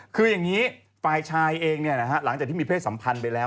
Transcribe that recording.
คืออย่างนี้ฝ่ายชายเองหลังจากที่มีเพศสัมพันธ์ไปแล้ว